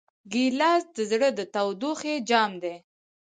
ګیلاس د زړه د تودوخې جام دی.